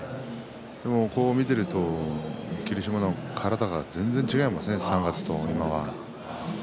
でも、こう見ていると霧島の体が全然、違いますね３月と今は。